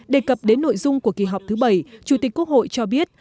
đề cập đến nội dung của kỳ họp thứ bảy chủ tịch quốc hội cho biết